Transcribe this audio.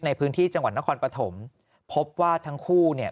ในพื้นที่จังหวัดนครปฐมพบว่าทั้งคู่เนี่ย